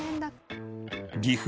岐阜